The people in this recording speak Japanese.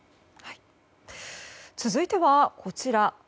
続いてはこちら。